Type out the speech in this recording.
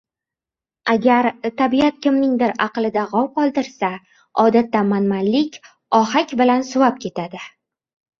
Agar tabiat kimningdir aqlida g‘ov qoldirsa, odatda man-manlik ohapg bilan suvab ketadi.